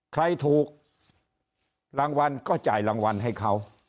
ใครถูกรางวัลก็จ่ายรางวัลให้เขา